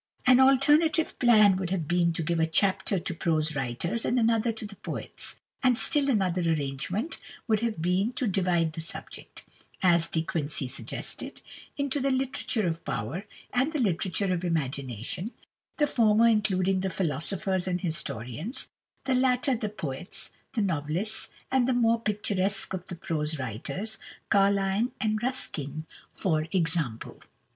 An alternative plan would have been to give a chapter to prose writers and another to the poets; and still another arrangement would have been to divide the subject, as De Quincey suggested, into the literature of power and the literature of imagination, the former including the philosophers and historians, the latter the poets, the novelists, and the more picturesque of the prose writers Carlyle and Ruskin, for example.